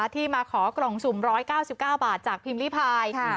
ที่มาขอกล่องสุ่ม๑๙๙บาทจากพิมพิพาย